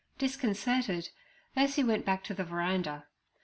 Disconcerted, Ursie went back to the veranda.